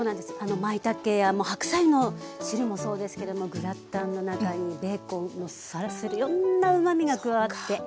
まいたけや白菜の汁もそうですけどもグラタンの中にベーコンもいろんなうまみが加わって。